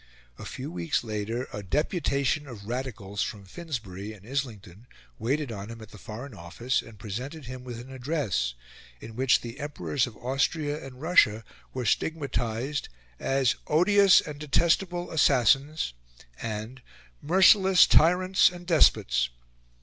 A few weeks later a deputation of Radicals from Finsbury and Islington waited on him at the Foreign Office and presented him with an address, in which the Emperors of Austria and Russia were stigmatised as "odious and detestable assassins" and "merciless tyrants and despots."